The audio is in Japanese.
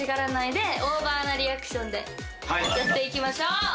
やっていきましょう。